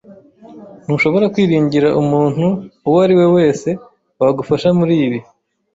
Ntushobora kwiringira umuntu uwo ari we wese wagufasha muri ibi.